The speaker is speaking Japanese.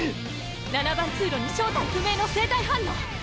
７番通路に正体不明の生体反応！